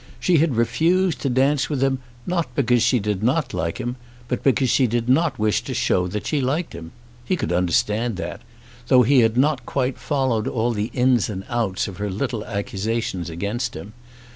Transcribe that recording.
She had refused to dance with him not because she did not like him, but because she did not wish to show that she liked him. He could understand that, though he had not quite followed all the ins and outs of her little accusations against him.